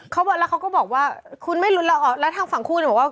เขาบอกแล้วเขาก็บอกว่าคุณไม่รู้แล้วแล้วทางฝั่งคู่ก็บอกว่า